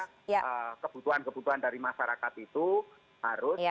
artinya kebutuhan kebutuhan dari masyarakat itu harus disediakan